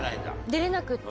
出れなくって。